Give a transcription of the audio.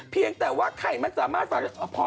เพียงแต่ว่าไข่มันสามารถฝากพอแล้วหอมไป